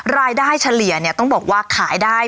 รายได้เฉลี่ยต้องบอกว่าขายได้